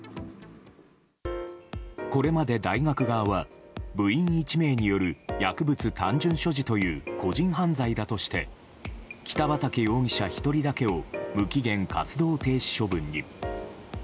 これまで大学側は部員１名による薬物単純所持という個人犯罪だとして北畠容疑者１人だけを無期限活動停止処分に。